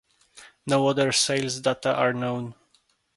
No other sales data are known.